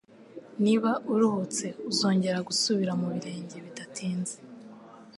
Niba uruhutse, uzongera gusubira mu birenge bidatinze.